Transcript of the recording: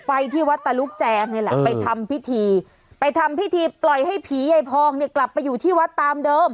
ที่วัดตะลุกแจงนี่แหละไปทำพิธีไปทำพิธีปล่อยให้ผียายพองเนี่ยกลับไปอยู่ที่วัดตามเดิม